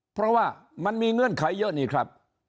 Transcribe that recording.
เพราะว่ามันมีเงื่อนไขเยอะนี่ครับ